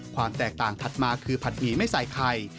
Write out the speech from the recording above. ความแตกต่างถัดมาคือผัดหมี่ไม่ใส่ไข่